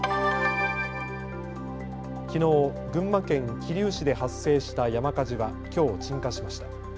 きのう群馬県桐生市で発生した山火事はきょう鎮火しました。